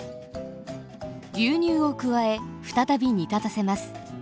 牛乳を加え再び煮立たせます。